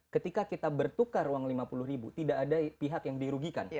ketika kita bertukar uang lima puluh ribu tidak ada pihak yang dirugikan